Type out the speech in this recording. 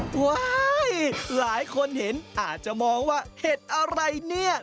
ว้ายหลายคนเห็นอาจจะมองว่าเห็ดอะไรเนี่ย